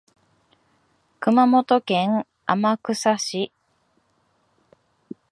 熊本県天草市